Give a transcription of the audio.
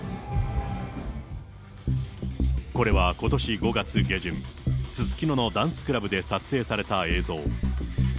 これは、ことし５月下旬、すすきののダンスクラブで撮影された映像。